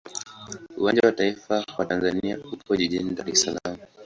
Uwanja wa taifa wa Tanzania upo jijini Dar es Salaam.